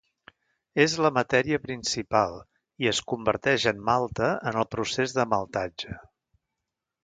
És la matèria principal i es converteix en malta en el procés de maltatge.